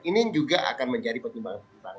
ini juga akan menjadi pertimbangan pertimbangan